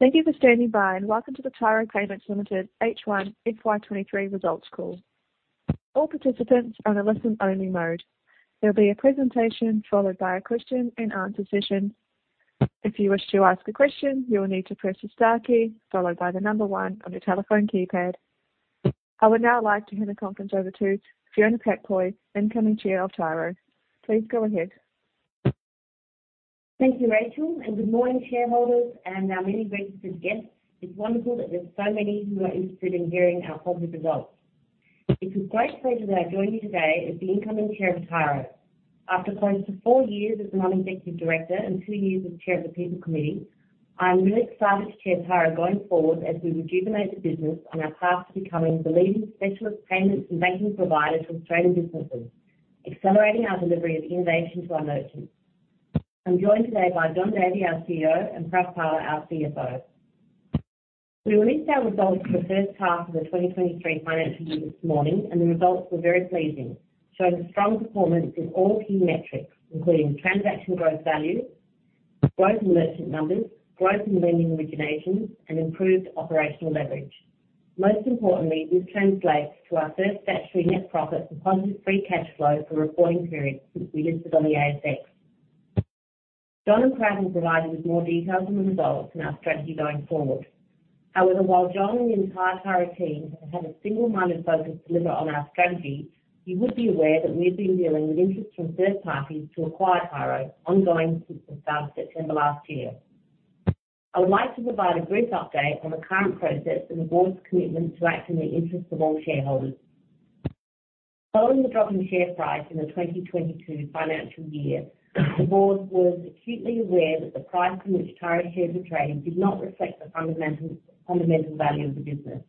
Thank you for standing by, and welcome to the Tyro Payments Limited H1 FY 23 results call. All participants are on a listen-only mode. There'll be a presentation followed by a question-and-answer session. If you wish to ask a question, you will need to press the star key followed by the number one on your telephone keypad. I would now like to hand the conference over to Fiona Pak-Poy, incoming Chair of Tyro. Please go ahead. Thank you, Rachel, and good morning, shareholders and our many registered guests. It's wonderful that there's so many who are interested in hearing our positive results. It's a great pleasure that I join you today as the incoming Chair of Tyro. After close to four years as a non-executive director and two years as Chair of the People Committee, I am really excited to chair Tyro going forward as we rejuvenate the business on our path to becoming the leading specialist payments and banking provider to Australian businesses, accelerating our delivery of innovation to our merchants. I'm joined today by Jon Davey, our CEO, and Prav Pala, our CFO. We released our results for the first half of the 2023 financial year this morning. The results were very pleasing, showing strong performance in all key metrics, including transaction growth value, growth in merchant numbers, growth in lending originations, and improved operational leverage. Most importantly, this translates to our first statutory net profit and positive free cash flow for a reporting period since we listed on the ASX. Jon and Prav will provide you with more details on the results and our strategy going forward. While Jon and the entire Tyro team have had a single-minded focus deliver on our strategy, you would be aware that we've been dealing with interest from third parties to acquire Tyro ongoing since the start of September last year. I would like to provide a brief update on the current process and the board's commitment to act in the interest of all shareholders. Following the drop in share price in the 2022 financial year, the board was acutely aware that the price in which Tyro shares were trading did not reflect the fundamental value of the business.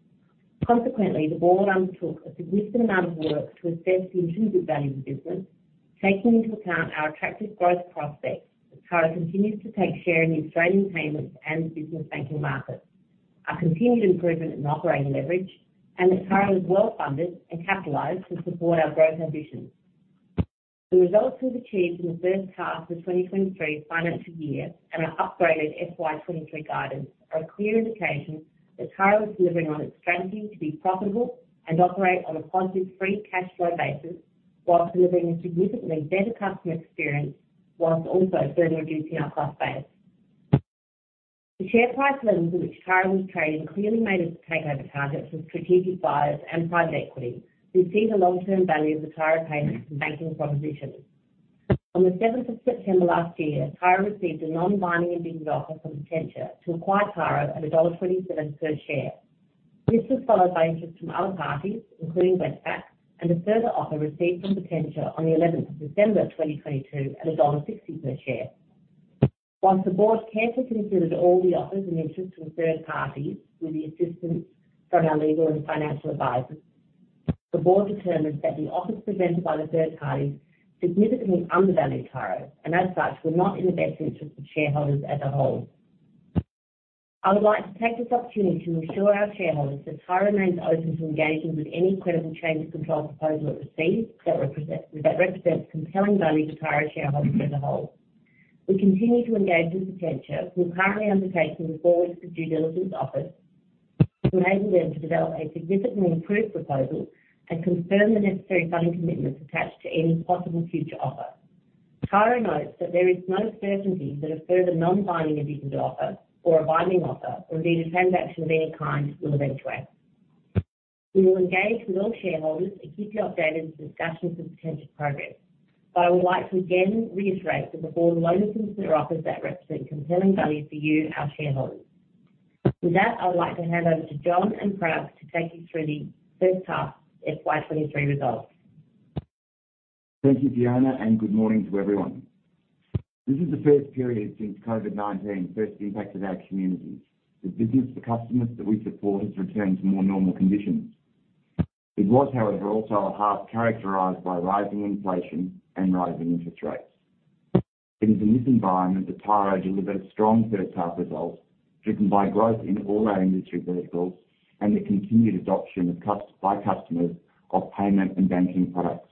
Consequently, the board undertook a significant amount of work to assess the intrinsic value of the business, taking into account our attractive growth prospects as Tyro continues to take share in the Australian payments and business banking markets. Our continued improvement in operating leverage and that Tyro is well-funded and capitalized to support our growth ambitions. The results we've achieved in the first half of the 2023 financial year and our upgraded FY 2023 guidance are a clear indication that Tyro is delivering on its strategy to be profitable and operate on a positive free cash flow basis, whilst delivering a significantly better customer experience whilst also further reducing our cost base. The share price levels at which Tyro was trading clearly made us a takeover target for strategic buyers and private equity, who see the long-term value of the Tyro Payments and banking proposition. On the 7th of September last year, Tyro received a non-binding indicative offer from Potentia to acquire Tyro at dollar 1.27 per share. This was followed by interest from other parties, including Westpac, and a further offer received from Potentia on the 11th of December 2022 at dollar 1.60 per share. Once the board carefully considered all the offers and interest from third parties with the assistance from our legal and financial advisors, the board determined that the offers presented by the third parties significantly undervalued Tyro and as such, were not in the best interest of shareholders as a whole. I would like to take this opportunity to assure our shareholders that Tyro remains open to engaging with any credible change of control proposal it receives that represents compelling value to Tyro shareholders as a whole. We continue to engage with Potentia, who are currently undertaking forward with due diligence offers to enable them to develop a significantly improved proposal and confirm the necessary funding commitments attached to any possible future offer. Tyro notes that there is no certainty that a further non-binding indicative offer or a binding offer or indeed a transaction of any kind will eventuate. We will engage with all shareholders and keep you updated as discussions with Potentia progress. I would like to again reiterate that the board will only consider offers that represent compelling value for you, our shareholders. With that, I would like to hand over to Jon and Prav to take you through the first half of FY 2023 results. Thank you, Fiona, good morning to everyone. This is the first period since COVID-19 first impacted our communities. The business for customers that we support has returned to more normal conditions. It was, however, also a half characterized by rising inflation and rising interest rates. It is in this environment that Tyro delivered strong first half results, driven by growth in all our industry verticals and the continued adoption by customers of payment and banking products.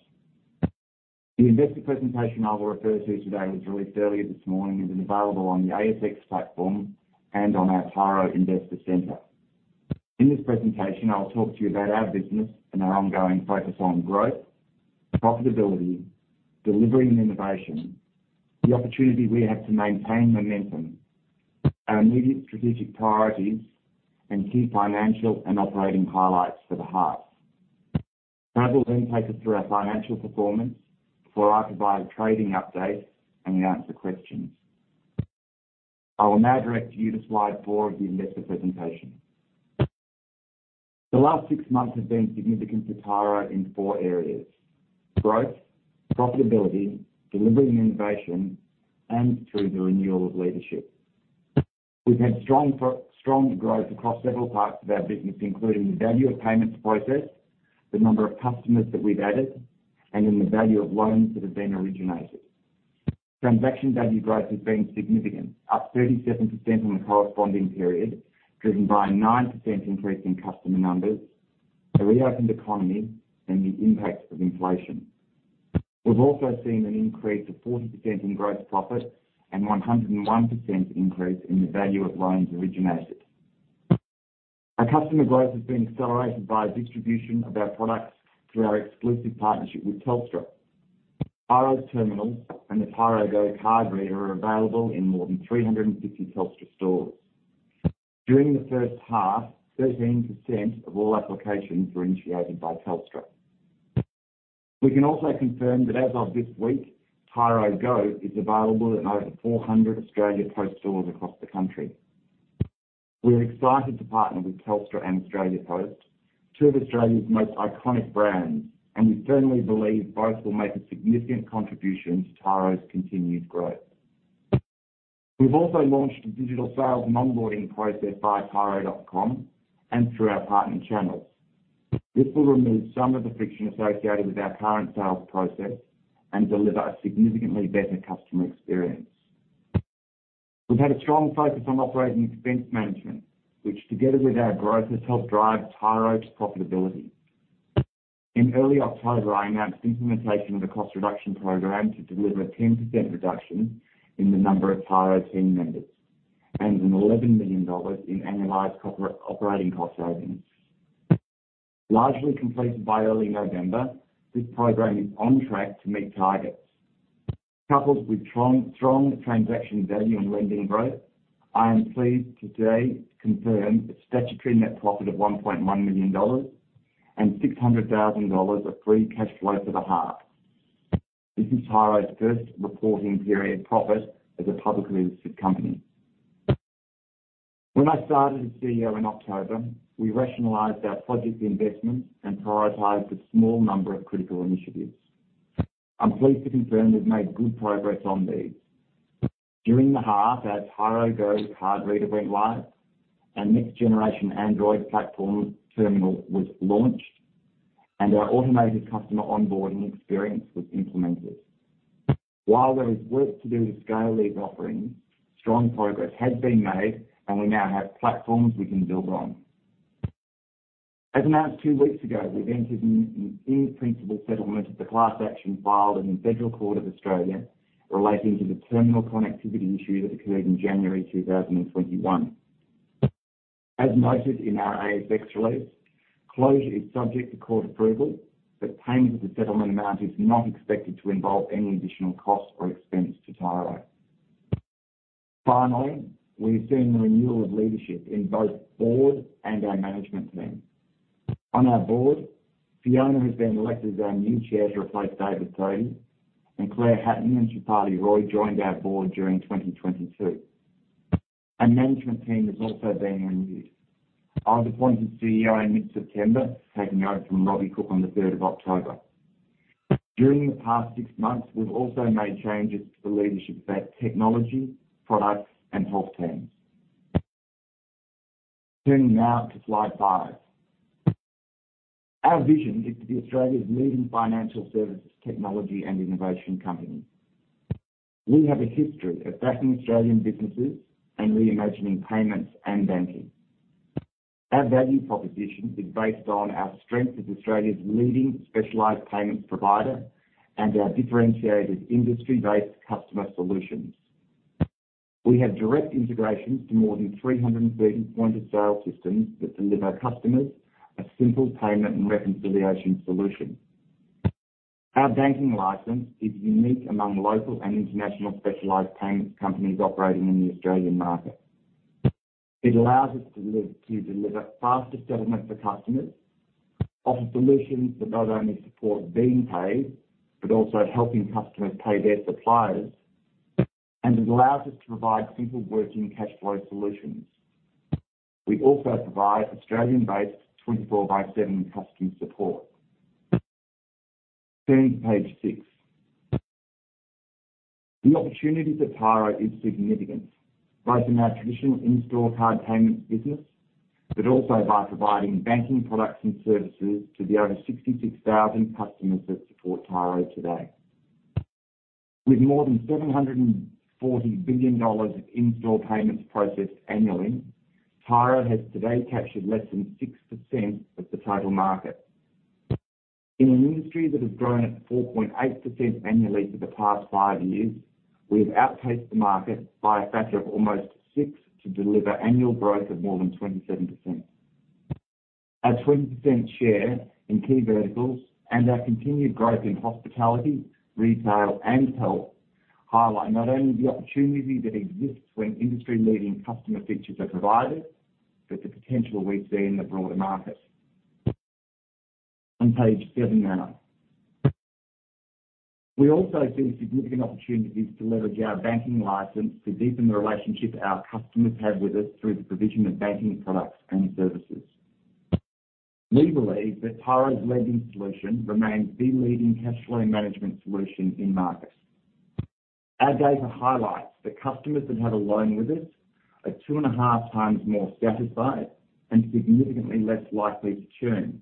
The investor presentation I will refer to today was released earlier this morning and is available on the ASX platform and on our Tyro Investor Centre. In this presentation, I will talk to you about our business and our ongoing focus on growth, profitability, delivering innovation, the opportunity we have to maintain momentum, our immediate strategic priorities, and key financial and operating highlights for the half. Prav will then take us through our financial performance before I provide a trading update and we answer questions. I will now direct you to slide four of the investor presentation. The last six months have been significant to Tyro in four areas: growth, profitability, delivering innovation, and through the renewal of leadership. We've had strong growth across several parts of our business, including the value of payments processed, the number of customers that we've added, and in the value of loans that have been originated. Transaction value growth has been significant, up 37% from the corresponding period, driven by a 9% increase in customer numbers, a reopened economy, and the impacts of inflation. We've also seen an increase of 40% in gross profit and 101% increase in the value of loans originated. Our customer growth has been accelerated by distribution of our products through our exclusive partnership with Telstra. Tyro terminals and the Tyro Go card reader are available in more than 350 Telstra stores. During the first half, 13% of all applications were initiated by Telstra. We can also confirm that as of this week, Tyro Go is available in over 400 Australia Post stores across the country. We are excited to partner with Telstra and Australia Post, two of Australia's most iconic brands, and we firmly believe both will make a significant contribution to Tyro's continued growth. We've also launched a digital sales and onboarding process via tyro.com and through our partner channels. This will remove some of the friction associated with our current sales process and deliver a significantly better customer experience. We've had a strong focus on operating expense management, which, together with our growth, has helped drive Tyro's profitability. In early October, I announced the implementation of a cost reduction program to deliver a 10% reduction in the number of Tyro team members and 11 million dollars in annualized operating cost savings. Largely completed by early November, this program is on track to meet targets. Coupled with strong transaction value and lending growth, I am pleased today to confirm a statutory net profit of 1.1 million dollars and 600,000 dollars of free cash flow for the half. This is Tyro's first reporting period profit as a publicly listed company. When I started as CEO in October, we rationalized our project investments and prioritized a small number of critical initiatives. I'm pleased to confirm we've made good progress on these. During the half, our Tyro Go card reader went live. Our next-generation Android platform terminal was launched and our automated customer onboarding experience was implemented. While there is work to do to scale these offerings, strong progress has been made, and we now have platforms we can build on. As announced two weeks ago, we've entered an in-principle settlement of the class action filed in the Federal Court of Australia relating to the terminal connectivity issue that occurred in January 2021. As noted in our ASX release, closure is subject to court approval, but payment of the settlement amount is not expected to involve any additional cost or expense to Tyro. Finally, we've seen the renewal of leadership in both board and our management team. On our board, Fiona has been elected as our new Chair to replace David Thodey, and Claire Hatton and Shefali Roy joined our board during 2022. Our management team has also been renewed. I was appointed CEO in mid-September, taking over from Robbie Cooke on the 3rd of October. During the past six months, we've also made changes to the leadership of our technology, products, and health teams. Turning now to slide five. Our vision is to be Australia's leading financial services, technology and innovation company. We have a history of backing Australian businesses and reimagining payments and banking. Our value proposition is based on our strength as Australia's leading specialized payments provider and our differentiated industry-based customer solutions. We have direct integration to more than 330 point-of-sale systems that deliver customers a simple payment and reconciliation solution. Our banking license is unique among local and international specialized payments companies operating in the Australian market. It allows us to deliver faster settlement for customers, offer solutions that not only support being paid, but also helping customers pay their suppliers, and it allows us to provide simple working cash flow solutions. We also provide Australian-based 24 by seven customer support. Turning to page six. The opportunity for Tyro is significant, both in our traditional in-store card payment business, but also by providing banking products and services to the over 66,000 customers that support Tyro today. With more than 740 billion dollars of in-store payments processed annually, Tyro has today captured less than 6% of the total market. In an industry that has grown at 4.8% annually for the past five years, we've outpaced the market by a factor of almost six to deliver annual growth of more than 27%. Our 20% share in key verticals and our continued growth in hospitality, retail, and health highlight not only the opportunity that exists when industry-leading customer features are provided, but the potential we see in the broader market. On page seven now. We also see significant opportunities to leverage our banking license to deepen the relationship our customers have with us through the provision of banking products and services. We believe that Tyro's lending solution remains the leading cash flow management solution in-market. Our data highlights that customers that have a loan with us are 2.5 times more satisfied and significantly less likely to churn.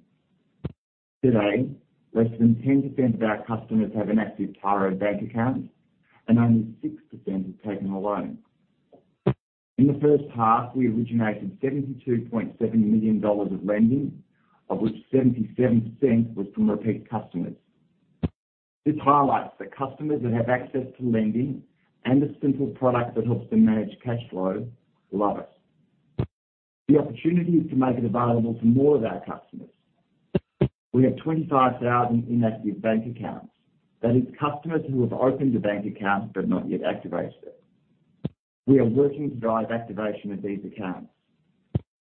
Today, less than 10% of our customers have an active Tyro bank account and only 6% have taken a loan. In the first half, we originated 72.7 million dollars of lending, of which 77% was from repeat customers. This highlights that customers that have access to lending and a simple product that helps them manage cash flow love us. The opportunity is to make it available to more of our customers. We have 25,000 inactive bank accounts. That is customers who have opened a bank account but not yet activated it. We are working to drive activation of these accounts.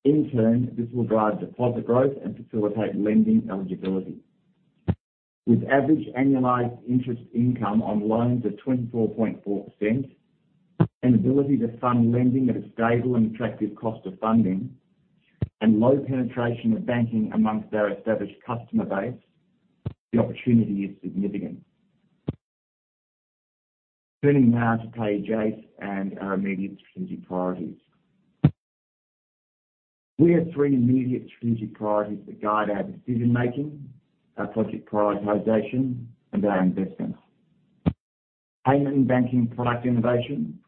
In turn, this will drive deposit growth and facilitate lending eligibility. With average annualized interest income on loans of 24.4% and ability to fund lending at a stable and attractive cost of funding and low penetration of banking amongst our established customer base, the opportunity is significant. Turning now to page eight and our immediate strategic priorities. We have three immediate strategic priorities that guide our decision-making, our project prioritization, and our investments. Payment and banking product innovation,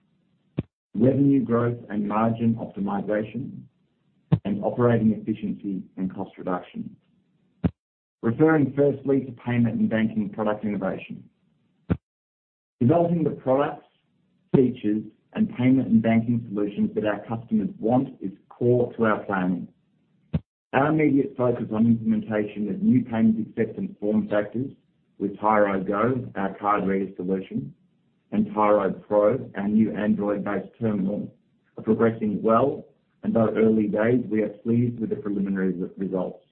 revenue growth and margin optimization, and operating efficiency and cost reduction. Referring firstly to payment and banking product innovation. Developing the products, features, and payment and banking solutions that our customers want is core to our planning. Our immediate focus on implementation of new payments acceptance form factors with Tyro Go, our card reader solution, and Tyro Pro, our new Android-based terminal, are progressing well. And though early days, we are pleased with the preliminary results.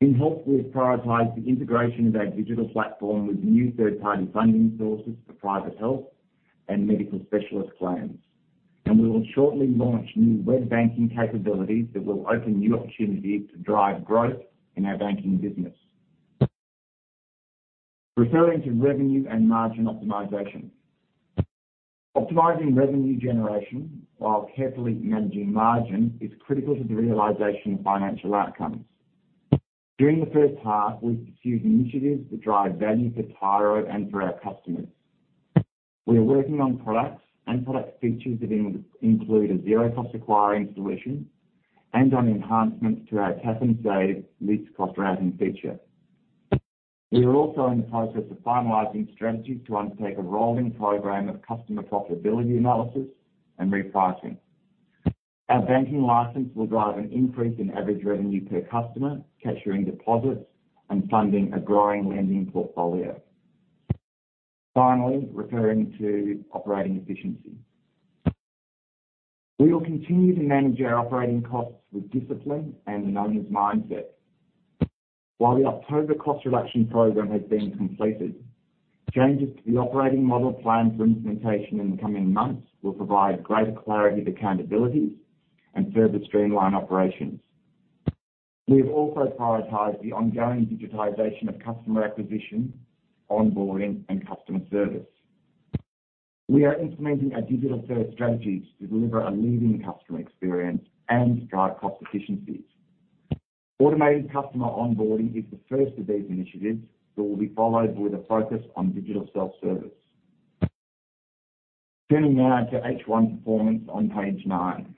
In health, we've prioritized the integration of our digital platform with new third-party funding sources for private health and medical specialist claims. We will shortly launch new web banking capabilities that will open new opportunities to drive growth in our banking business. Referring to revenue and margin optimization. Optimizing revenue generation while carefully managing margin is critical to the realization of financial outcomes. During the first half, we pursued initiatives that drive value for Tyro and for our customers. We are working on products and product features that include a zero-cost acquiring solution and on enhancements to our Tap & Save least-cost routing feature. We are also in the process of finalizing strategies to undertake a rolling program of customer profitability analysis and repricing. Our banking license will drive an increase in average revenue per customer, capturing deposits, and funding a growing lending portfolio. Finally, referring to operating efficiency. We will continue to manage our operating costs with discipline and an owner's mindset. While the October cost reduction program has been completed, changes to the operating model plan for implementation in the coming months will provide greater clarity of accountabilities and further streamline operations. We have also prioritized the ongoing digitization of customer acquisition, onboarding, and customer service. We are implementing our digital-first strategies to deliver a leading customer experience and drive cost efficiencies. Automated customer onboarding is the first of these initiatives that will be followed with a focus on digital self-service. Turning now to H1 performance on page nine.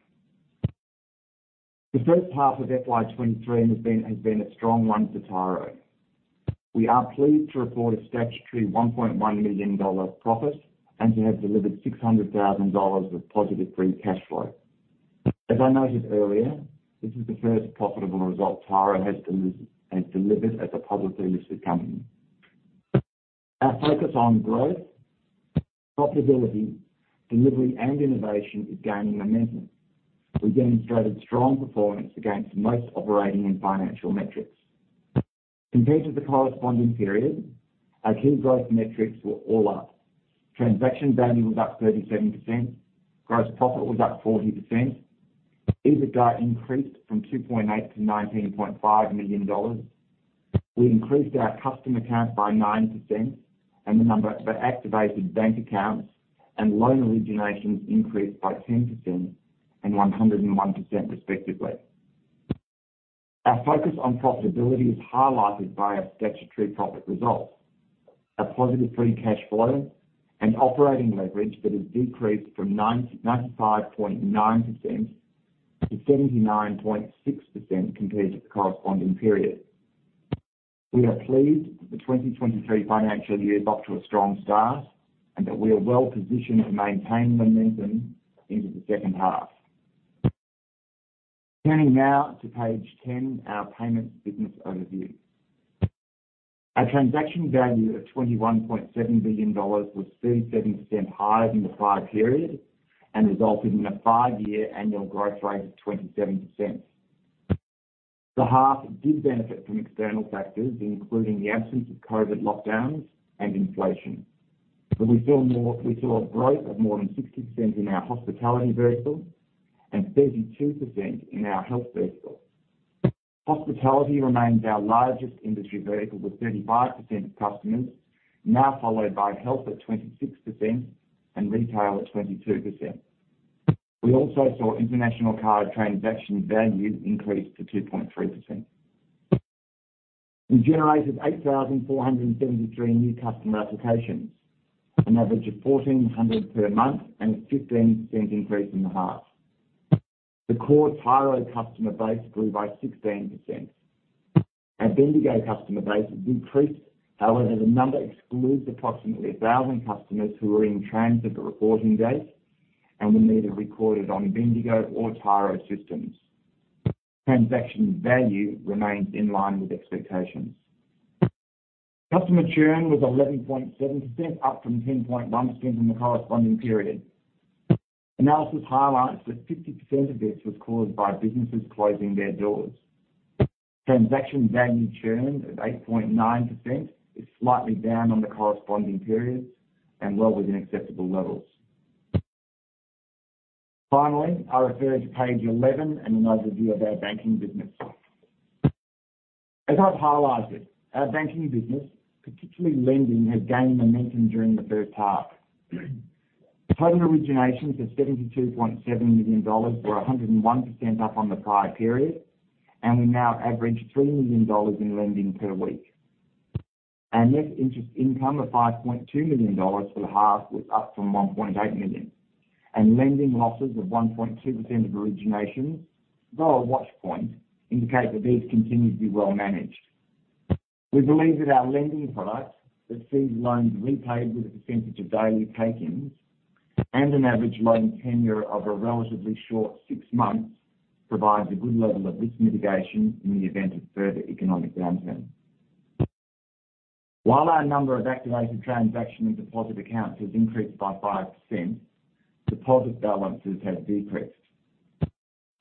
The first half of FY23 has been a strong one for Tyro. We are pleased to report a statutory 1.1 million dollar profit and to have delivered 600,000 dollars of positive free cash flow. As I noted earlier, this is the first profitable result Tyro has delivered as a publicly listed company. Our focus on growth, profitability, delivery, and innovation is gaining momentum. We demonstrated strong performance against most operating and financial metrics. Compared to the corresponding period, our key growth metrics were all up. Transaction value was up 37%. Gross profit was up 40%. EBITDA increased from 2.8 million-19.5 million dollars. We increased our customer count by 9% and the number of activated bank accounts and loan originations increased by 10% and 101%, respectively. Our focus on profitability is highlighted by our statutory profit results, a positive free cash flow, and operating leverage that has decreased from 9 to 95.9% to 79.6% compared to the corresponding period. We are pleased that the 2023 financial year is off to a strong start, and that we are well-positioned to maintain momentum into the second half. Turning now to page 10, our payments business overview. Our transaction value of 21.7 billion dollars was 37% higher than the prior period and resulted in a five years annual growth rate of 27%. The half did benefit from external factors, including the absence of COVID-19 lockdowns and inflation. We saw a growth of more than 60% in our hospitality vertical and 32% in our health vertical. Hospitality remains our largest industry vertical with 35% of customers, now followed by health at 26% and retail at 22%. We also saw international card transaction value increase to 2.3%. We generated 8,473 new customer applications, an average of 1,400 per month and a 15% increase in the half. The core Tyro customer base grew by 16%. Our Bendigo customer base increased. The number excludes approximately 1,000 customers who were in transit at reporting date and were neither recorded on Bendigo or Tyro systems. Transaction value remains in line with expectations. Customer churn was 11.7%, up from 10.1% in the corresponding period. Analysis highlights that 50% of this was caused by businesses closing their doors. Transaction value churn of 8.9% is slightly down on the corresponding periods and well within acceptable levels. I refer to page 11 and an overview of our banking business. As I've highlighted, our banking business, particularly lending, has gained momentum during the first half. Total originations of AUD 72.7 million were 101% up on the prior period. We now average 3 million dollars in lending per week. Our net interest income of AUD 5.2 million for the half was up from AUD 1.8 million. Lending losses of 1.2% of origination, though a watch point, indicate that these continue to be well managed. We believe that our lending product that sees loans repaid with a percentage of daily takings and an average loan tenure of a relatively short six months, provides a good level of risk mitigation in the event of further economic downturn. While our number of activated transaction and deposit accounts has increased by 5%, deposit balances have decreased.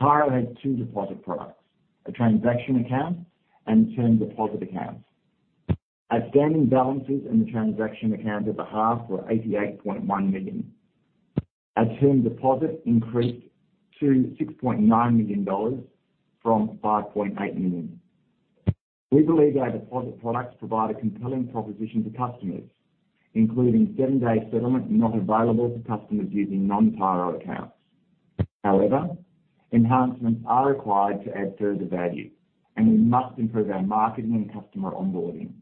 Tyro has two deposit products, a transaction account and term deposit accounts. Outstanding balances in the transaction accounts at the half were 88.1 million. Our term deposit increased to 6.9 million dollars from 5.8 million. We believe our deposit products provide a compelling proposition to customers, including seven-day settlement not available to customers using non-Tyro accounts. However, enhancements are required to add further value, and we must improve our marketing and customer onboarding.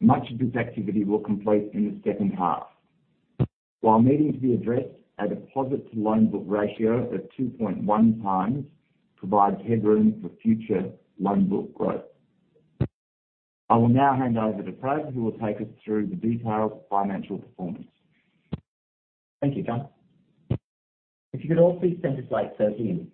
Much of this activity will complete in the second half. While needing to be addressed, our deposit to loan book ratio of 2.1 times provides headroom for future loan book growth. I will now hand over to Praveen, who will take us through the detailed financial performance. Thank you, Jon. If you could all please turn to slide 13.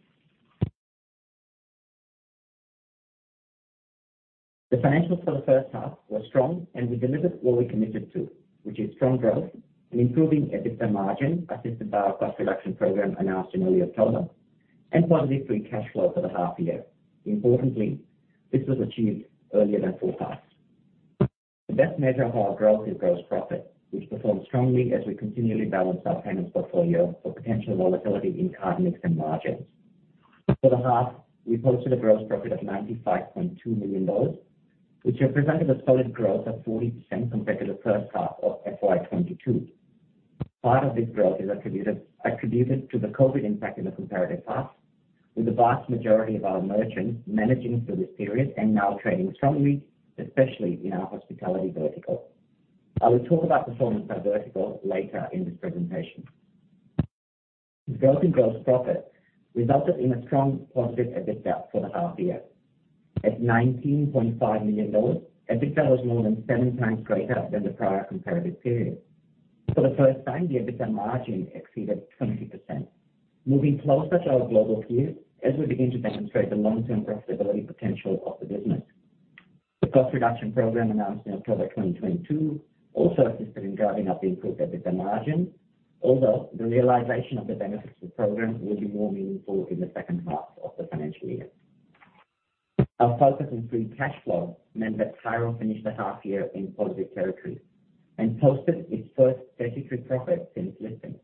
The financials for the first half were strong, and we delivered what we committed to, which is strong growth and improving EBITDA margin, assisted by our cost reduction program announced in early October, and positive free cash flow for the half year. Importantly, this was achieved earlier than forecast. The best measure of our growth is gross profit, which performed strongly as we continually balance our payments portfolio for potential volatility in card mix and margins. For the half, we posted a gross profit of 95.2 million dollars, which represented a solid growth of 40% compared to the first half of FY 2022. Part of this growth is attributed to the COVID impact in the comparative half, with the vast majority of our merchants managing through this period and now trading strongly, especially in our hospitality vertical. I will talk about performance by vertical later in this presentation. Growth in gross profit resulted in a strong positive EBITDA for the half year. At $19.5 million, EBITDA was more than seven times greater than the prior comparative period. For the first time, the EBITDA margin exceeded 20%, moving closer to our global peers as we begin to demonstrate the long-term profitability potential of the business. The cost reduction program announced in October 2022 also assisted in driving up the improved EBITDA margin, although the realization of the benefits of the program will be more meaningful in the second half of the financial year. Our focus on free cash flow meant that Tyro finished the half year in positive territory and posted its first statutory profit since listing.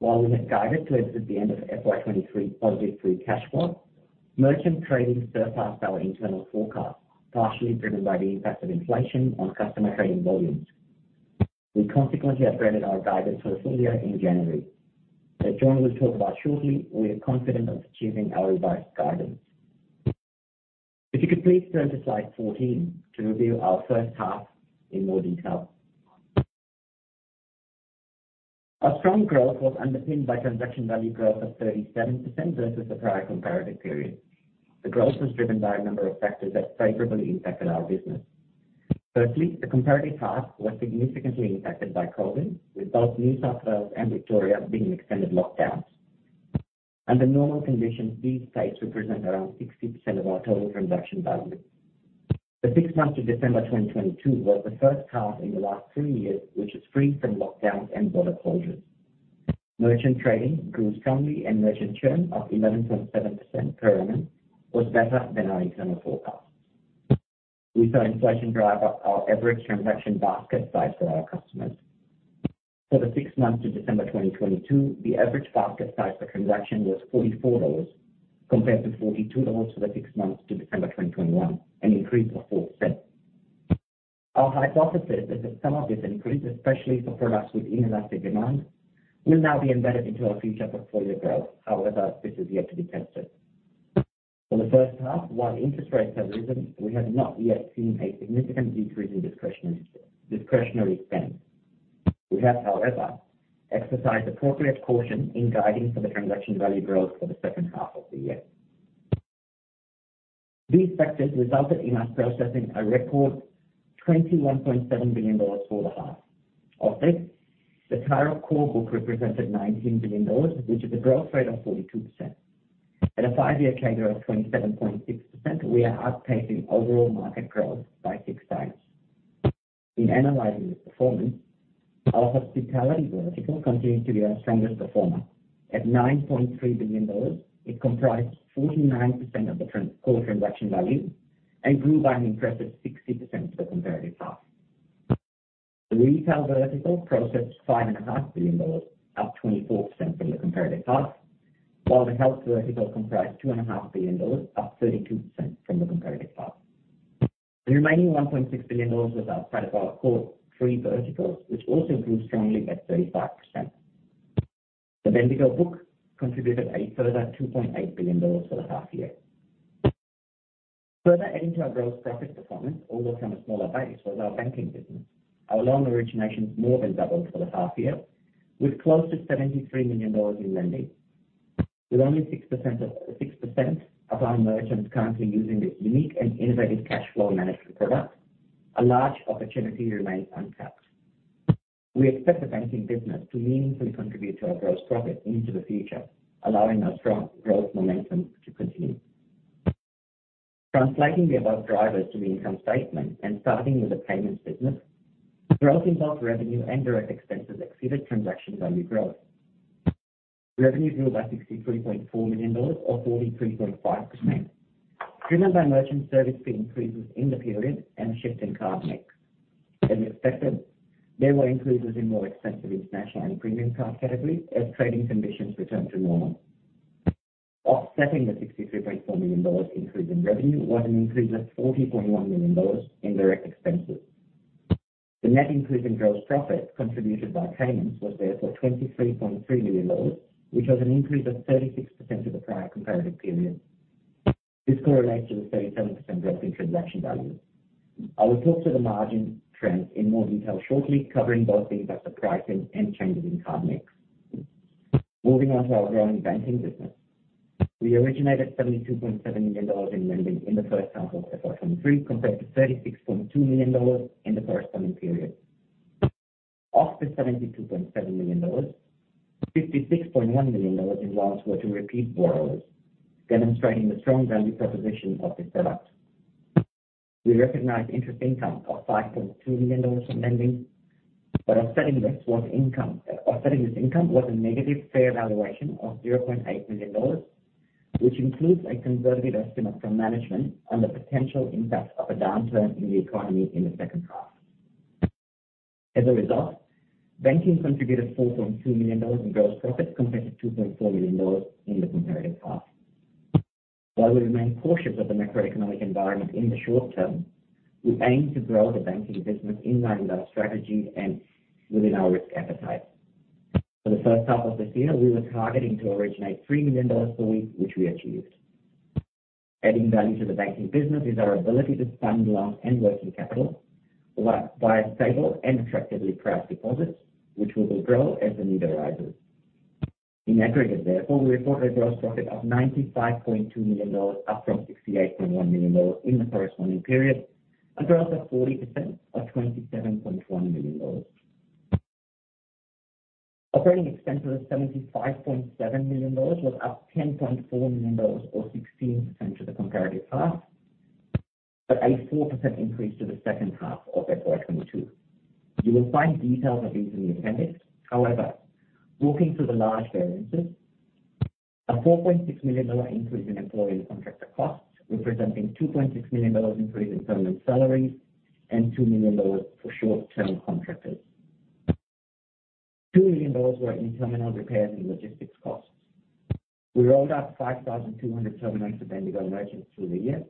While we had guided to exit the end of FY 2023 positive free cash flow, merchant trading surpassed our internal forecast, partially driven by the impact of inflation on customer trading volumes. We consequently upgraded our guidance for the full year in January. As Jon will talk about shortly, we are confident of achieving our revised guidance. If you could please turn to slide 14 to review our first half in more detail. Our strong growth was underpinned by transaction value growth of 37% versus the prior comparative period. The growth was driven by a number of factors that favorably impacted our business. Firstly, the comparative half was significantly impacted by COVID, with both New South Wales and Victoria being in extended lockdowns. Under normal conditions, these states represent around 60% of our total transaction value. The six months to December 2022 was the first half in the last three years, which was free from lockdowns and border closures. Merchant trading grew strongly, and merchant churn of 11.7% per annum was better than our internal forecast. We saw inflation drive up our average transaction basket size for our customers. For the six months to December 2022, the average basket size per transaction was 44 dollars compared to 42 dollars for the six months to December 2021, an increase of 0.04. Our hypothesis is that some of this increase, especially for products with inelastic demand, will now be embedded into our future portfolio growth. However, this is yet to be tested. For the first half, while interest rates have risen, we have not yet seen a significant decrease in discretionary spend. We have, however, exercised appropriate caution in guiding for the transaction value growth for the second half of the year. These factors resulted in us processing a record 21.7 billion dollars for the half. Of this, the Tyro core book represented 19 billion dollars, which is a growth rate of 42%. At a five-year CAGR of 27.6%, we are outpacing overall market growth by six times. In analyzing this performance, our hospitality vertical continued to be our strongest performer. At 9.3 billion dollars, it comprised 49% of the trans-core transaction value and grew by an impressive 60% for the comparative half. The retail vertical processed 5.5 billion dollars, up 24% from the comparative half, while the health vertical comprised 2.5 billion dollars, up 32% from the comparative half. The remaining 1.6 billion dollars was outside of our core three verticals, which also grew strongly at 35%. The Bendigo book contributed a further 2.8 billion dollars for the half year. Further adding to our gross profit performance, although from a smaller base, was our banking business. Our loan originations more than doubled for the half year with close to 73 million dollars in lending. With only 6% of our merchants currently using this unique and innovative cash flow management product, a large opportunity remains untapped. We expect the banking business to meaningfully contribute to our gross profit into the future, allowing our strong growth momentum to continue. Translating the above drivers to the income statement, starting with the payments business, growth in both revenue and direct expenses exceeded transaction value growth. Revenue grew by 63.4 million dollars, or 43.5%, driven by Merchant Service Fee increases in the period and a shift in card mix. As expected, there were increases in more expensive international and premium card categories as trading conditions returned to normal. Offsetting the 63.4 million dollars increase in revenue was an increase of 40.1 million dollars in direct expenses. The net increase in gross profit contributed by payments was therefore 23.3 million, which was an increase of 36% to the prior comparative period. This correlates to the 37% growth in transaction value. I will talk to the margin trends in more detail shortly, covering both the impact of pricing and changes in card mix. Moving on to our growing banking business. We originated 72.7 million dollars in lending in the first half of FY23 compared to 36.2 million dollars in the corresponding period. Of the 72.7 million dollars, 56.1 million dollars in loans were to repeat borrowers, demonstrating the strong value proposition of this product. We recognized interest income of 5.2 million dollars from lending, but offsetting this income was a negative fair valuation of 0.8 million dollars, which includes a conservative estimate from management on the potential impact of a downturn in the economy in the second half. As a result, banking contributed 4.2 million dollars in gross profit compared to 2.4 million dollars in the comparative half. While we remain cautious of the macroeconomic environment in the short term, we aim to grow the banking business in line with our strategy and within our risk appetite. For the first half of this year, we were targeting to originate 3 million dollars per week, which we achieved. Adding value to the banking business is our ability to fund loans and working capital via stable and attractively priced deposits, which we will grow as the need arises. In aggregate, therefore, we report a gross profit of 95.2 million dollars, up from 68.1 million dollars in the corresponding period, a growth of 40% or 27.1 million dollars. Operating expenses of 75.7 million dollars was up 10.4 million dollars or 16% to the comparative half, but a 4% increase to the second half of FY22. You will find details of these in the appendix. Walking through the large variances, a 4.6 million dollar increase in employee and contractor costs, representing 2.6 million dollars increase in permanent salaries and 2 million dollars for short-term contractors. 2 million dollars were in terminal repairs and logistics costs. We rolled out 5,200 terminals to Bendigo merchants through the year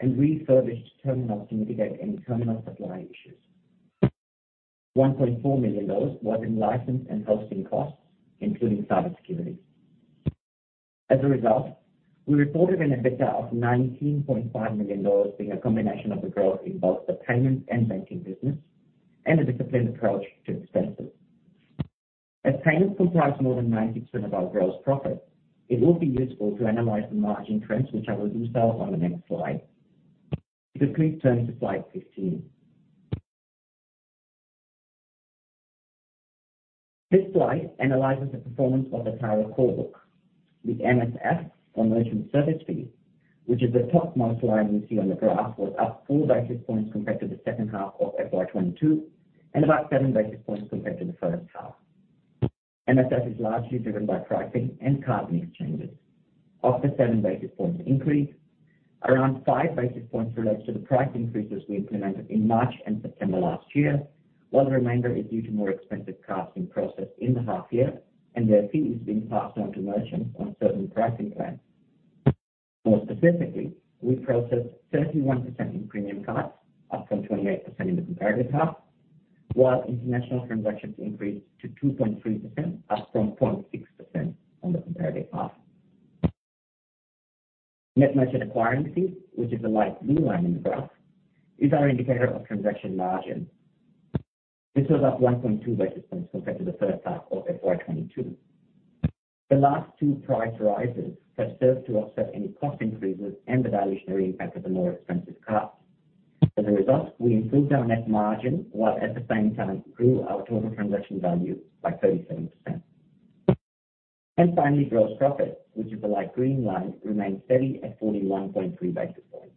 and refurbished terminals to mitigate any terminal supply issues. 1.4 million dollars was in license and hosting costs, including cyber security. As a result, we reported an EBITDA of $19.5 million, being a combination of the growth in both the payment and banking business and a disciplined approach to expenses. As payments comprise more than 90% of our gross profit, it will be useful to analyze the margin trends, which I will do so on the next slide. Please turn to slide 15. This slide analyzes the performance of the Tyro core book. The MSF or Merchant Service Fee, which is the topmost line you see on the graph, was up four basis points compared to the second half of FY 2022 and about six basis points compared to the first half. MSF is largely driven by pricing and card mix changes. Of the seven basis points increase, around five basis points relates to the price increases we implemented in March and September last year, while the remainder is due to more expensive carding processed in the half year and their fees being passed on to merchants on certain pricing plans. More specifically, we processed 31% in premium cards, up from 28% in the comparative half. While international transactions increased to 2.3%, up from 0.6% on the comparative half. Net merchant acquiring fees, which is the light blue line in the graph, is our indicator of transaction margin. This was up 1.2 basis points compared to the first half of FY 2022. The last two price rises have served to offset any cost increases and the dilutionary impact of the more expensive cards. We improved our net margin while at the same time grew our total transaction value by 37%. Gross profit, which is the light green line, remained steady at 41.3 basis points.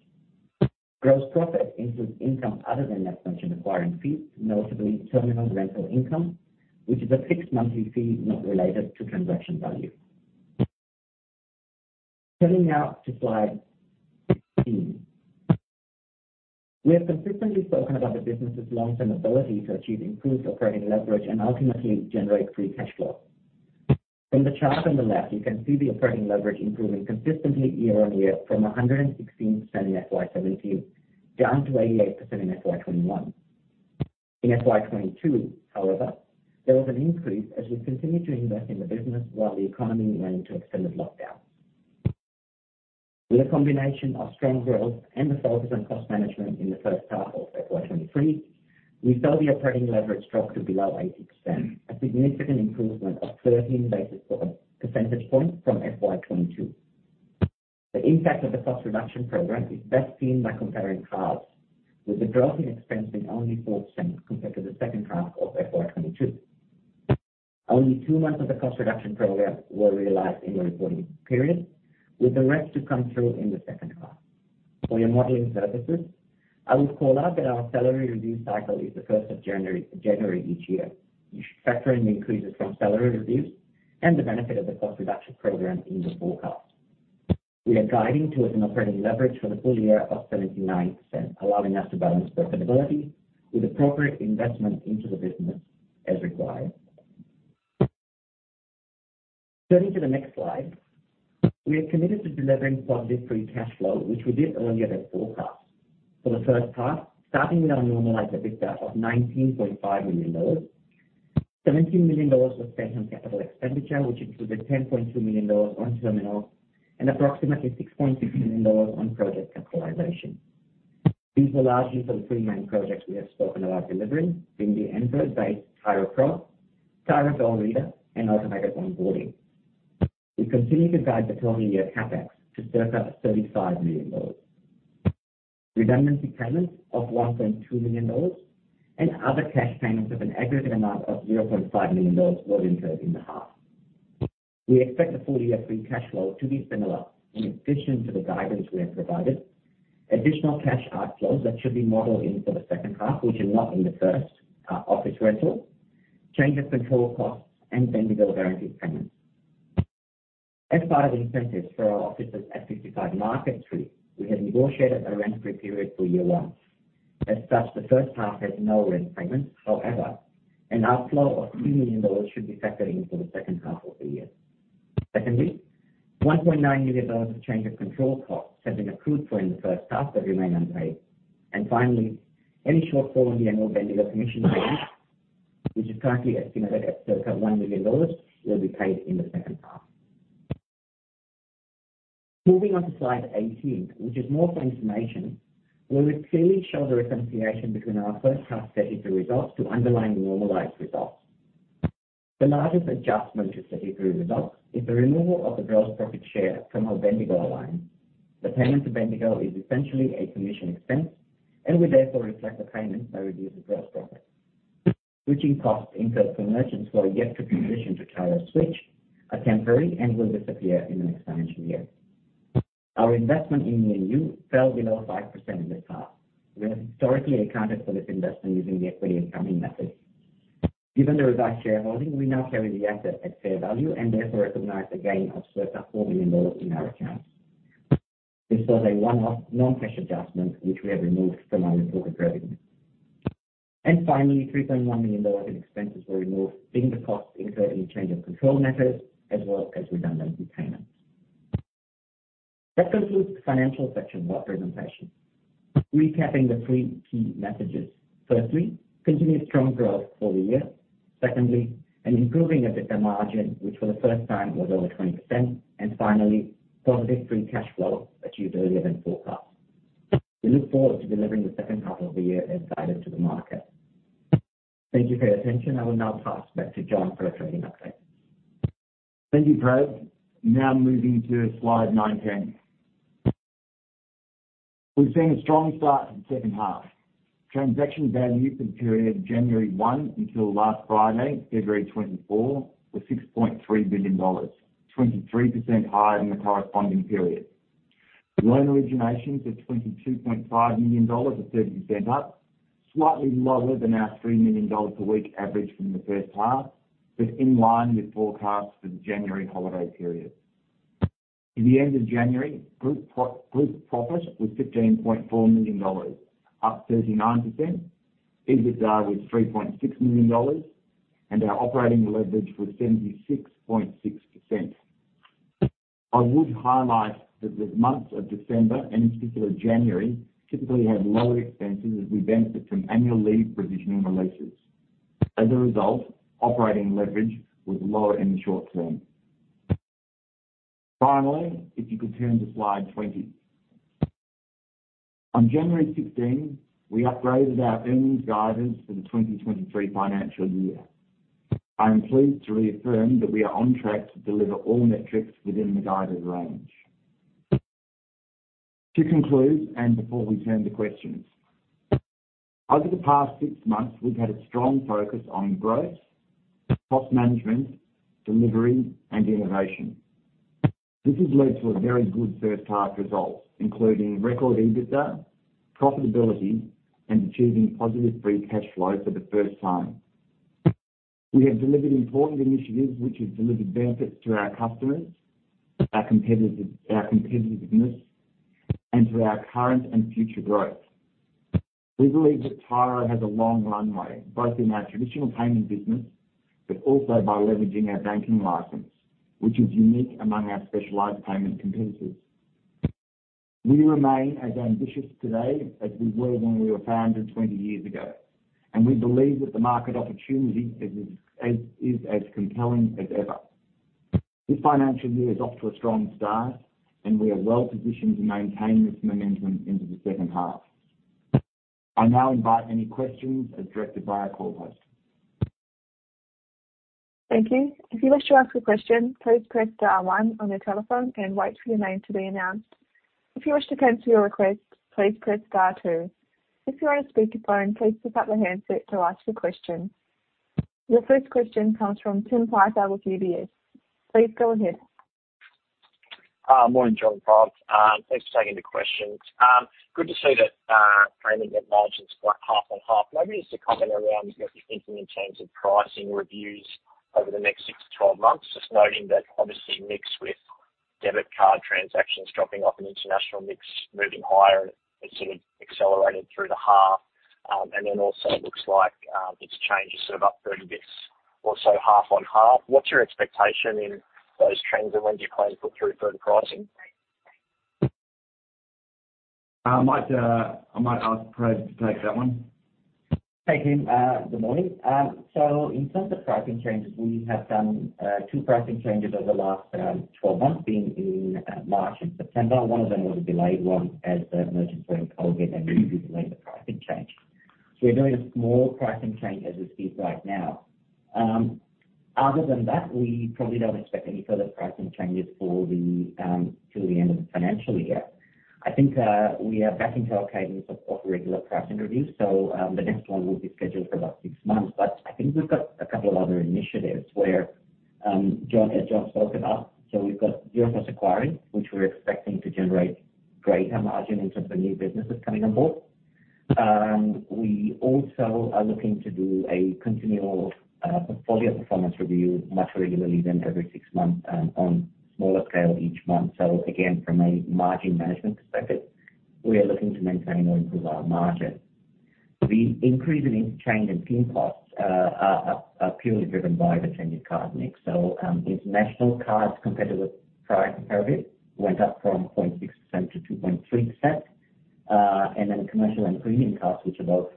Gross profit includes income other than net merchant acquiring fees, notably terminal rental income, which is a fixed monthly fee not related to transaction value. Turning now to slide 18. We have consistently spoken about the business's long-term ability to achieve improved operating leverage and ultimately generate free cash flow. From the chart on the left, you can see the operating leverage improving consistently year-over-year from 116% in FY 2017 down to 88% in FY 2021. In FY 2022, however, there was an increase as we continued to invest in the business while the economy went into extended lockdown. With a combination of strong growth and the focus on cost management in the first half of FY 2023, we saw the operating leverage drop to below 80%, a significant improvement of 13 percentage points from FY 2022. The impact of the cost reduction program is best seen by comparing cards with the drop in expenses only 4% compared to the second half of FY 2022. Only two months of the cost reduction program were realized in the reporting period, with the rest to come through in the second half. For your modeling purposes, I would call out that our salary review cycle is the first of January each year. You should factor in the increases from salary reviews and the benefit of the cost reduction program in your forecast. We are guiding towards an operating leverage for the full year of 79%, allowing us to balance profitability with appropriate investment into the business as required. Turning to the next slide. We are committed to delivering positive free cash flow, which we did earlier than forecast. For the first half, starting with our normalized EBITDA of 19.5 million dollars, 17 million dollars was spent on capital expenditure, which included 10.2 million dollars on terminals and approximately 6.2 million dollars on project capitalization. These were largely for the three main projects we have spoken about delivering, being the Android-based Tyro Pro, Tyro Go Reader, and automated onboarding. We continue to guide the full-year CapEx to circa 35 million dollars. Redundancy payments of 1.2 million dollars and other cash payments of an aggregate amount of 0.5 million dollars were incurred in the half. We expect the full-year free cash flow to be similar. In addition to the guidance we have provided, additional cash outflows that should be modeled in for the second half, which are not in the first, are office rentals, change of control costs, and Bendigo warranty payments. As part of the incentives for our offices at 55 Market Street, we had negotiated a rent-free period for year one. As such, the first half has no rent payments. However, an outflow of 2 million dollars should be factored in for the second half of the year. Secondly, 1.9 million dollars of change of control costs have been accrued for in the first half but remain unpaid. Finally, any shortfall in the annual Bendigo commission payment, which is currently estimated at circa $1 million, will be paid in the second half. Moving on to slide 18, which is more for information. We will clearly show the reconciliation between our first half statutory results to underlying normalized results. The largest adjustment to statutory results is the removal of the gross profit share from our Bendigo line. The payment to Bendigo is essentially a commission expense, and we therefore reflect the payment by reducing gross profit. Switching costs incurred from merchants who are yet to transition to Tyro Switch are temporary and will disappear in the next financial year. Our investment in me&u fell below 5% this half. We have historically accounted for this investment using the equity accounting method. Given the revised shareholding, we now carry the asset at fair value and therefore recognize a gain of circa 4 million dollars in our accounts. This was a one-off non-cash adjustment, which we have removed from our reported revenue. Finally, 3.1 million dollars in expenses were removed, being the cost incurred in change of control methods as well as redundancy payments. That concludes the financial section of our presentation. Recapping the three key messages. Firstly, continued strong growth for the year. Secondly, an improving EBITDA margin, which for the first time was over 20%. Finally, positive free cash flow achieved earlier than forecast. We look forward to delivering the second half of the year as guided to the market. Thank you for your attention. I will now pass back to Jon for a trading update. Thank you, Prav. Moving to slide 19. We've seen a strong start to the second half. Transaction value for the period of January 1 until last Friday, February 24, was 6.3 billion dollars, 23% higher than the corresponding period. Loan originations of 22.5 million dollars or 30% up, slightly lower than our 3 million dollars per week average from the first half, in line with forecasts for the January holiday period. In the end of January, group pro-group profit was 15.4 million dollars, up 39%. EBITDA was 3.6 million dollars. Our operating leverage was 76.6%. I would highlight that the months of December and in particular January typically have lower expenses as we benefit from annual leave provisioning releases. As a result, operating leverage was lower in the short term. Finally, if you could turn to slide 20. On January 16, we upgraded our earnings guidance for the 2023 financial year. I am pleased to reaffirm that we are on track to deliver all metrics within the guided range. To conclude, and before we turn to questions, over the past six months, we've had a strong focus on growth, cost management, delivery, and innovation. This has led to a very good first half results, including record EBITDA, profitability, and achieving positive free cash flow for the first time. We have delivered important initiatives which have delivered benefits to our customers, our competitiveness, and to our current and future growth. We believe that Tyro has a long runway, both in our traditional payment business, but also by leveraging our banking license, which is unique among our specialized payment competitors. We remain as ambitious today as we were when we were founded 20 years ago. We believe that the market opportunity is as compelling as ever. This financial year is off to a strong start. We are well positioned to maintain this momentum into the second half. I now invite any questions as directed by our call host. Thank you. If you wish to ask a question, please press star one on your telephone and wait for your name to be announced. If you wish to cancel your request, please press star two. If you're on speakerphone, please pick up the handset to ask your question. Your first question comes from Timothy Piper with UBS. Please go ahead. Morning, Jon, Praveen. Thanks for taking the questions. Good to see that trading net margin's flat half-on-half. Maybe just a comment around what you're thinking in terms of pricing reviews over the next 6-12 months. Just noting that obviously mix with debit card transactions dropping off and international mix moving higher, and it sort of accelerated through the half. Also looks like it's changed sort of up 30 basis points or so half-on-half. What's your expectation in those trends and when do you plan to put through further pricing? I might, I might ask Praveen to take that one. Hey, Tim. Good morning. In terms of pricing changes, we have done two pricing changes over the last 12 months, being in March and September. One of them was a delayed one as the merchants were in COVID and we delayed the pricing change. We're doing a small pricing change as it is right now. Other than that, we probably don't expect any further pricing changes for the till the end of the financial year. I think we are back into our cadence of regular price reviews, so the next one will be scheduled for about six months. I think we've got a couple of other initiatives where Jon, as Jon spoke about, so we've got zero plus acquiring, which we're expecting to generate greater margin in terms of new businesses coming on board. We also are looking to do a continual portfolio performance review much regularly than every six months on smaller scale each month. Again, from a margin management perspective, we are looking to maintain or improve our margin. The increase in interchange and PIN costs are purely driven by the changing card mix. These national cards competitive with price comparative went up from 0.6% to 2.3%. Commercial and premium cards, which are both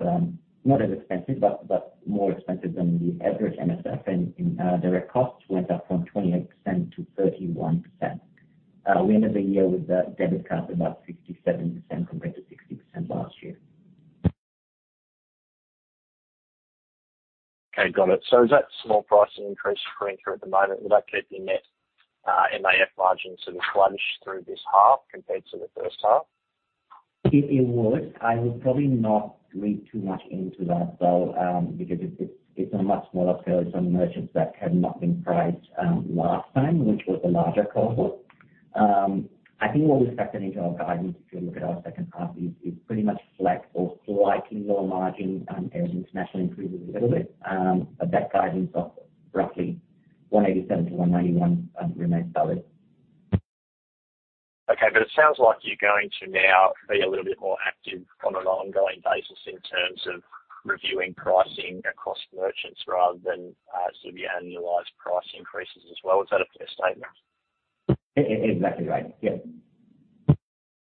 not as expensive but more expensive than the average MSF in direct costs, went up from 28% to 31%. We ended the year with the debit cards about 67% compared to 60% last year. Okay. Got it. Is that small pricing increase for Inter at the moment, would that keep your net MAF margin sort of plunged through this half compared to the first half? It would. I would probably not read too much into that, though, because it's on a much smaller scale. It's on merchants that have not been priced last time, which was a larger cohort. I think what we factored into our guidance, if you look at our second half, is pretty much flat or slightly lower margin, as international improves a little bit. That guidance of roughly 187-191 remains valid. Okay. It sounds like you're going to now be a little bit more active on an ongoing basis in terms of reviewing pricing across merchants rather than sort of your annualized price increases as well. Is that a fair statement? Exactly right. Yeah.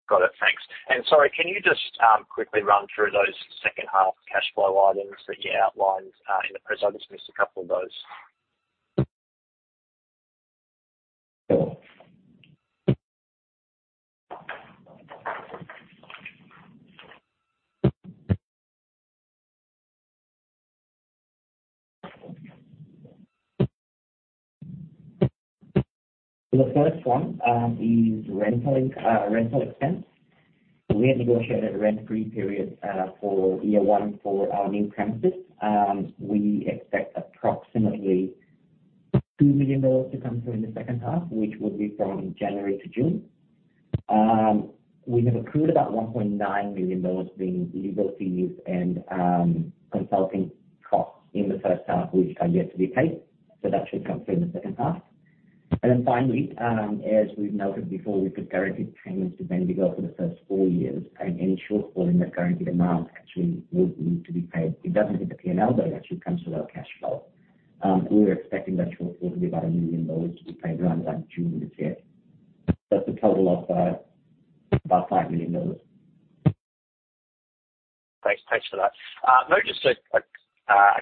Got it. Thanks. Sorry, can you just quickly run through those second half cash flow items that you outlined in the press? I just missed a couple of those. The first one is rental expense. We had negotiated a rent-free period for year one for our new premises. We expect approximately 2 million dollars to come through in the second half, which would be from January to June. We have accrued about 1.9 million dollars being legal fees and consulting costs in the first half, which are yet to be paid, so that should come through in the second half. Finally, as we've noted before, we've got guaranteed payments to Bendigo for the first four years. Any shortfall in that guaranteed amount actually would need to be paid. It doesn't hit the PNL, though. It actually comes from our cash flow. We're expecting that shortfall to be about 1 million dollars to be paid around about June this year. That's a total of about 5 million dollars. Thanks. Thanks for that. Mo just a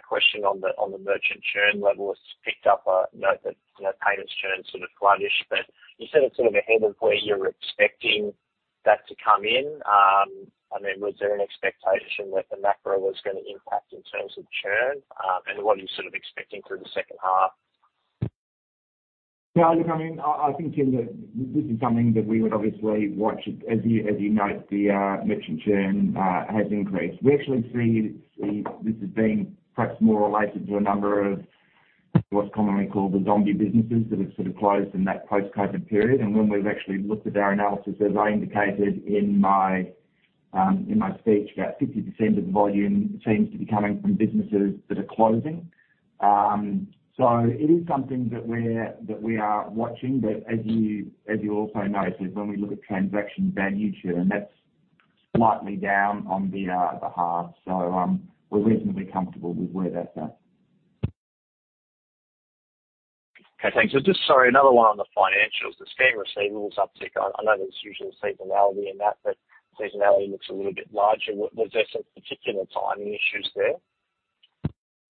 question on the, on the merchant churn level. It's picked up a note that, you know, payments churn sort of sluggish. You said it's sort of ahead of where you're expecting that to come in. I mean, was there an expectation that the macro was gonna impact in terms of churn, and what are you sort of expecting through the second half? I mean, I think, Tim, that this is something that we would obviously watch as you note the merchant churn has increased. We actually see this as being perhaps more related to a number of what's commonly called the zombie businesses that have sort of closed in that post-COVID-19 period. When we've actually looked at our analysis, as I indicated in my speech, about 50% of the volume seems to be coming from businesses that are closing. It is something that we are watching. As you also noted, when we look at transaction value churn, that's slightly down on the half. We're reasonably comfortable with where that's at. Okay, thanks. Just sorry, another one on the financials, the scheme receivables uptick. I know there's usual seasonality in that. Seasonality looks a little bit larger. Was there some particular timing issues there?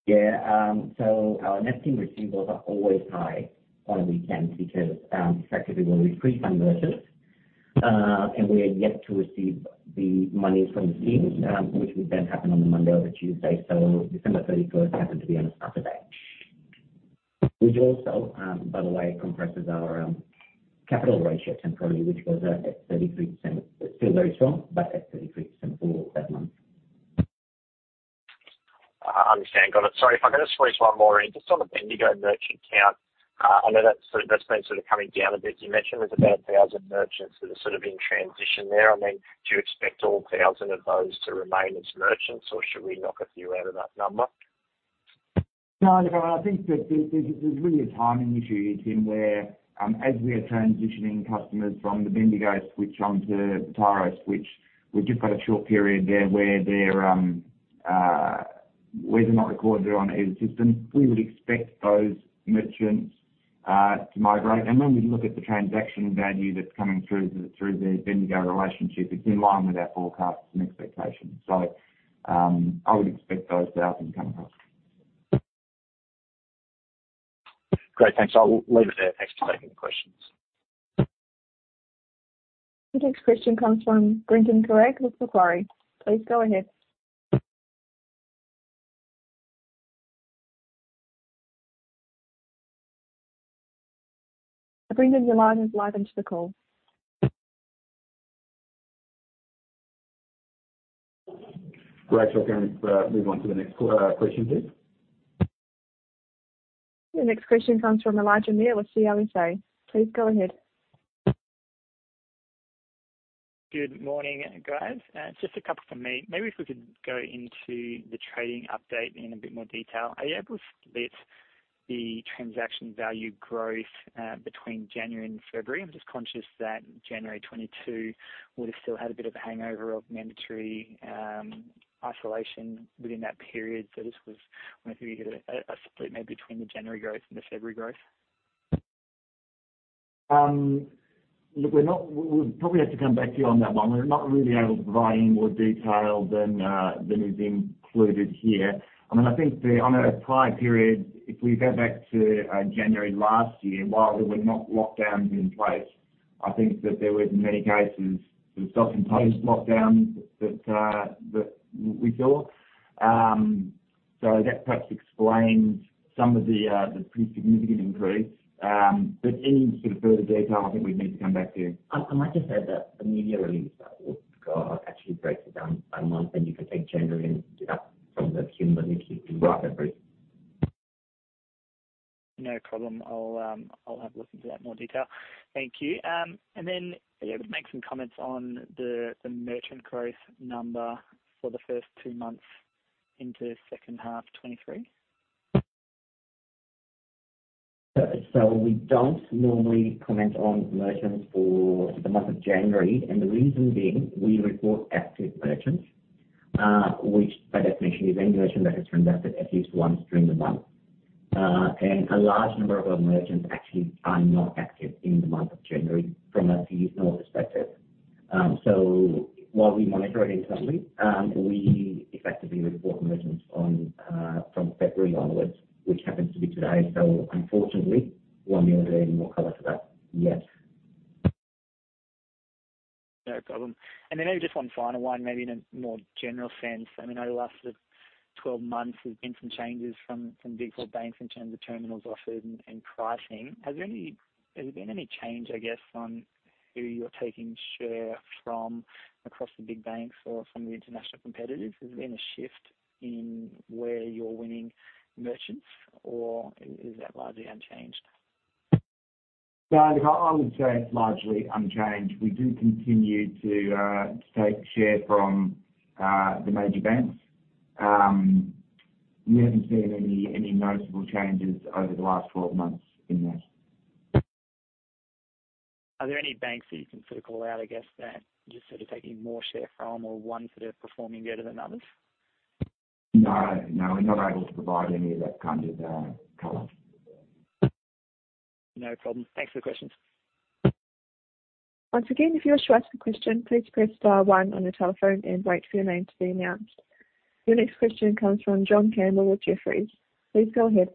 Yeah. Our net scheme receivables are always high on weekends because, effectively we'll pre-fund merchants, and we are yet to receive the monies from the schemes, which will then happen on the Monday or the Tuesday. December thirty-first happened to be on a Saturday. Which also, by the way, compresses our capital ratio temporarily, which was at 33%. Still very strong, but at 33% for that month. I understand. Got it. Sorry, if I could just squeeze one more in, just on the Bendigo merchant count. I know that's been sort of coming down a bit. You mentioned there's about 1,000 merchants that are sort of in transition there. I mean, do you expect all 1,000 of those to remain as merchants, or should we knock a few out of that number? No, look, I think that there's really a timing issue here, Tim, where as we are transitioning customers from the Bendigo switch onto the Tyro Switch, we've just got a short period there where they're, where they're not recorded there on either system. We would expect those merchants to migrate. When we look at the transaction value that's coming through the Bendigo relationship, it's in line with our forecasts and expectations. I would expect those 1,000 to come across. Great. Thanks. I'll leave it there. Thanks for taking the questions. The next question comes from Brendan Carrig with Macquarie. Please go ahead. Brendan, your line is live and to the call. Rachel, can we, move on to the next question, please? The next question comes from Elias Ayoub with CVC. Please go ahead. Good morning, guys. Just a couple from me. Maybe if we could go into the trading update in a bit more detail. Are you able to split the transaction value growth between January and February? I'm just conscious that January 2022 would have still had a bit of a hangover of mandatory isolation within that period. Just was wondering if you could give a split maybe between the January growth and the February growth? Look, we'll probably have to come back to you on that one. We're not really able to provide any more detail than is included here. I mean, I think the-- on a prior period, if we go back to January last year, while there were not lockdowns in place, I think that there was in many cases sort of stop-and-go lockdowns that we saw. That perhaps explains some of the pretty significant increase. Any sort of further detail, I think we'd need to come back to you. I might just add that the media release, we've got actually breaks it down by month. You can take January and deduct from the cumulative you can arrive at February. No problem. I'll have a look into that in more detail. Thank you. Are you able to make some comments on the merchant growth number for the first two months into second half 2023? We don't normally comment on merchants for the month of January, the reason being, we report active merchants, which by definition is any merchant that has transacted at least once during the month. A large number of our merchants actually are not active in the month of January from a seasonal perspective. While we monitor it internally, we effectively report merchants on from February onwards, which happens to be today. Unfortunately, we're not able to add any more color to that yet. No problem. Maybe just one final one, maybe in a more general sense. I mean, over the last sort of 12 months, there's been some changes from big four banks in terms of terminals offered and pricing. Has there been any change, I guess, on who you're taking share from across the big banks or from the international competitors? Has there been a shift in where you're winning merchants or is that largely unchanged? I would say it's largely unchanged. We do continue to take share from the major banks. We haven't seen any noticeable changes over the last 12 months in that. Are there any banks that you can sort of call out, I guess, that you're sort of taking more share from or ones that are performing better than others? No, we're not able to provide any of that kind of color. No problem. Thanks for the questions. Once again, if you wish to ask a question, please press star one on your telephone and wait for your name to be announced. Your next question comes from John Campbell with Jefferies. Please go ahead.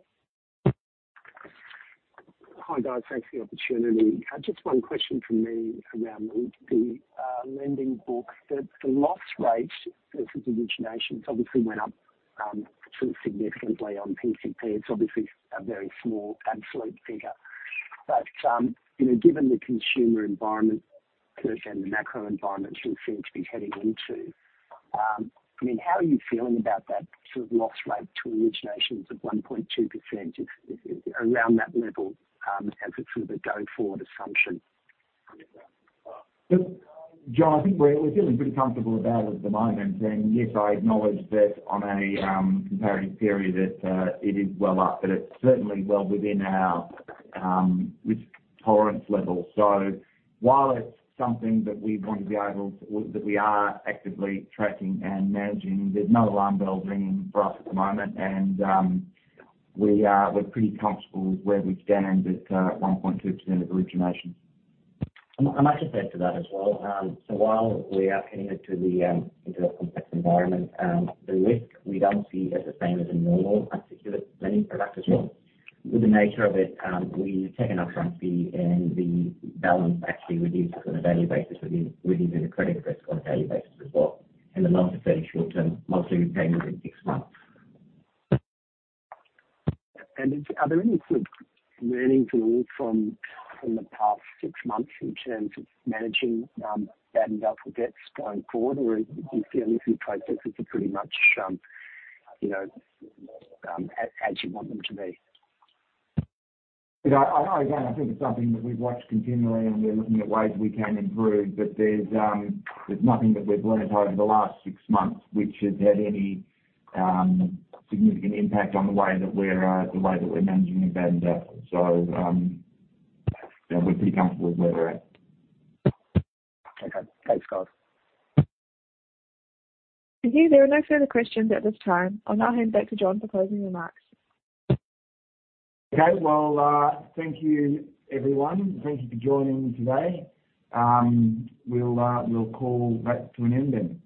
Hi, guys. Thanks for the opportunity. Just one question from me around the lending book. The loss rate versus originations obviously went up, sort of significantly on PCP. It's obviously a very small absolute figure. You know, given the consumer environment sort of and the macro environment we seem to be heading into, I mean, how are you feeling about that sort of loss rate to originations of 1.2% if around that level, as a sort of a go-forward assumption? Look, Jon, I think we're feeling pretty comfortable about it at the moment. Yes, I acknowledge that on a comparative period that it is well up, but it's certainly well within our risk tolerance level. While it's something that we want to be able to or that we are actively tracking and managing, there's no alarm bells ringing for us at the moment. We're pretty comfortable with where we stand at 1.2% of originations. I might just add to that as well. While we are headed to the into a complex environment, the risk we don't see as the same as a normal unsecure lending product as well. With the nature of it, we take an up-front fee and the balance actually reduces on a daily basis with even the credit risk on a daily basis as well, and the loans are fairly short-term, mostly repayments in six months. Are there any sort of learnings at all from the past six months in terms of managing, bad and doubtful debts going forward? Do you feel your processes are pretty much, you know, as you want them to be? You know, I know, again, I think it's something that we've watched continually, and we're looking at ways we can improve, but there's nothing that we've learned over the last six months which has had any significant impact on the way that we're managing the bad and doubtful. Yeah, we're pretty comfortable with where we're at. Okay. Thanks, guys. Thank you. There are no further questions at this time. I'll now hand back to Jon for closing remarks. Okay. Thank you, everyone. Thank you for joining today. We'll call that to an end then.